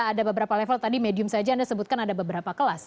ada beberapa level tadi medium saja anda sebutkan ada beberapa kelas